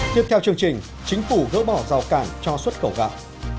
tiếp theo chương trình chính phủ gỡ bỏ rào cản cho xuất khẩu gạo